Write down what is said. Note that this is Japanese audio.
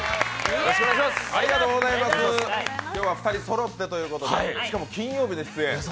今日は２人そろってということで、しかも金曜日出演。